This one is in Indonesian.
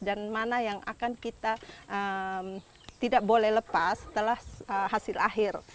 dan mana yang akan kita tidak boleh lepas setelah hasil akhir